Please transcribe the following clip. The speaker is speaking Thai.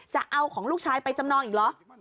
จะเอาของลูกชายไปจำนองอีกเหรอ